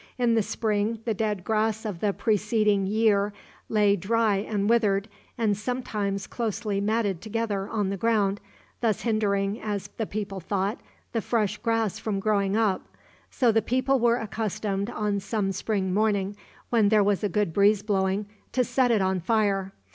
In the spring the dead grass of the preceding year lay dry and withered, and sometimes closely matted together, on the ground, thus hindering, as the people thought, the fresh grass from growing up. So the people were accustomed, on some spring morning when there was a good breeze blowing, to set it on fire.